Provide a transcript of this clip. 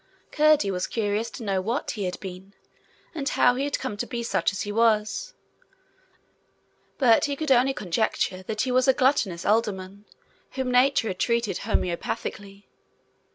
Curdie was curious to know what he had been, and how he had come to be such as he was: but he could only conjecture that he was a gluttonous alderman whom nature had treated homeopathically.